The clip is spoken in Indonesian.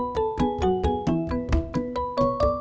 sampai jumpa di rumah bapak